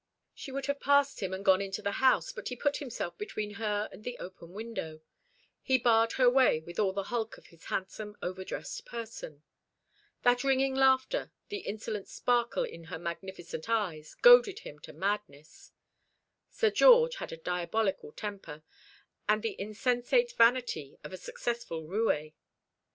She would have passed him and gone into the house, but he put himself between her and the open window. He barred her way with all the hulk of his handsome, over dressed person. That ringing laughter, the insolent sparkle in her magnificent eyes, goaded him to madness. Sir George had a diabolical temper, and the insensate vanity of a successful roué.